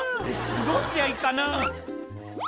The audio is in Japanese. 「どうすりゃいいかな？」